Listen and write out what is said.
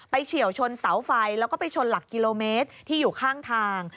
เฉียวชนเสาไฟแล้วก็ไปชนหลักกิโลเมตรที่อยู่ข้างทาง